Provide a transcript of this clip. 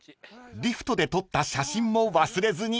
［リフトで撮った写真も忘れずに］